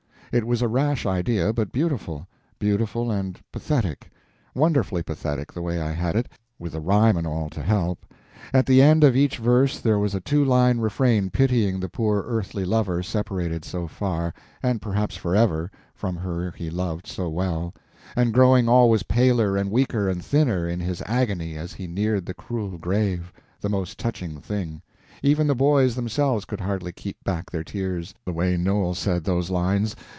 It was a rash idea, but beautiful; beautiful and pathetic; wonderfully pathetic, the way I had it, with the rhyme and all to help. At the end of each verse there was a two line refrain pitying the poor earthly lover separated so far, and perhaps forever, from her he loved so well, and growing always paler and weaker and thinner in his agony as he neared the cruel grave—the most touching thing—even the boys themselves could hardly keep back their tears, the way Noel said those lines.